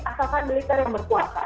asalkan militer yang berkuasa